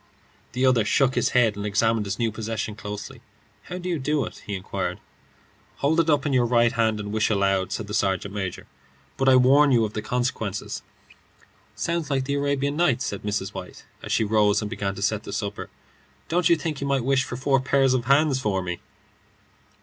The other shook his head and examined his new possession closely. "How do you do it?" he inquired. "Hold it up in your right hand and wish aloud," said the sergeant major, "but I warn you of the consequences." "Sounds like the Arabian Nights," said Mrs. White, as she rose and began to set the supper. "Don't you think you might wish for four pairs of hands for me?"